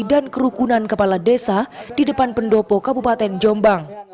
dan kerukunan kepala desa di depan pendopo kabupaten jombang